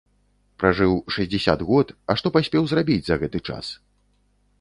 Пражыў шэсцьдзесят год, а што паспеў зрабіць за гэты час?